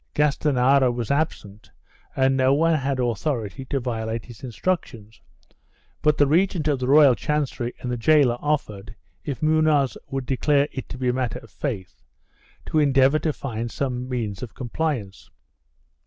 Gastanara was absent and no one had author ity to violate his instructions, but the regent of the royal chan cery and the gaoler offered, if Munoz would declare it to be a matter of faith, to endeavor to find some means of compliance.